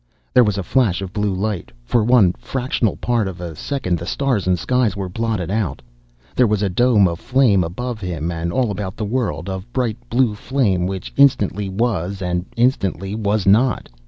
There was a flash of blue light. For one fractional part of a second the stars and skies were blotted out. There was a dome of flame above him and all about the world, of bright blue flame which instantly was and instantly was not!